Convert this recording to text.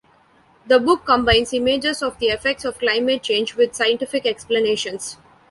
The book combines images of the effects of climate change with scientific explanations.